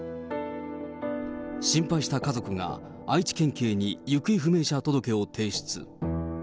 心配した家族が愛知県警に行方不明者届を提出。